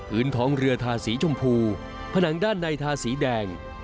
พื้นท้องเรือทาสีชมพูผนังด้านในทาสีแดง